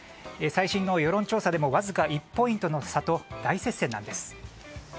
最新の世論調査でもわずか１ポイントの差と大接戦なんです。